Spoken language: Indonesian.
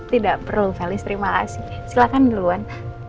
tidak perlu felis terima kasih silakan duluan